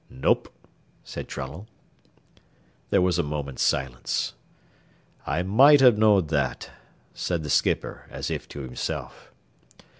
"Nope," said Trunnell. There was a moment's silence. "I might 'a' knowed that," said the skipper, as if to himself.